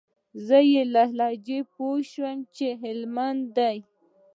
زه يې له لهجې پوه سوم چې هلمندى دى.